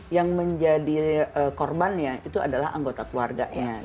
yang menjadi korbannya itu adalah anggota keluarganya